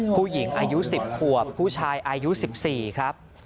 ผู้หญิงอายุ๑๐ขวบผู้ชายอายุ๑๔ครับ